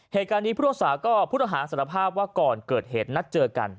เหตุการณ์นี้ผู้รักษาก็ผู้ต้องหาสารภาพว่าก่อนเกิดเหตุนัดเจอกัน